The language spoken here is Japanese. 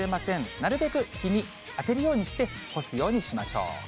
なるべく日に当てるようにして干すようにしましょう。